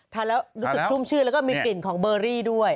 ทานแล้วรู้สึกชุ่มชื่นแล้วก็มีกลิ่นของเบอรี่ด้วย